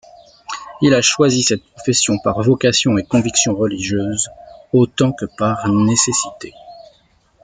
Il a choisi cette profession par vocation et conviction religieuse autant que par nécessité.